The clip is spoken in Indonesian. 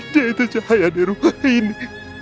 dia itu cahaya di rumah ini